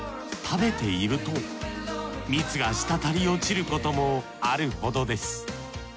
食べていると蜜がしたたり落ちることもあるほどです。